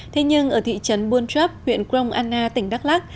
thế nhưng ở thị trấn buôn chấp huyện krong anna tỉnh đắk lắc